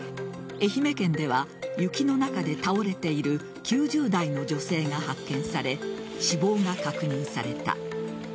愛媛県では雪の中で倒れている９０代の女性が発見され死亡が確認された。